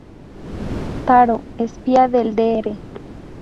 Taro: Espía del Dr.